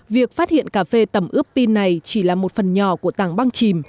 việc phát hiện cà phê tầm ướp pin này chỉ là một phần nhỏ của tàng băng chìm